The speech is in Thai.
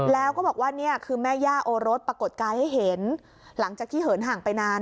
แล้วก็บอกว่านี่คือแม่ย่าโอรสปรากฏกายให้เห็นหลังจากที่เหินห่างไปนาน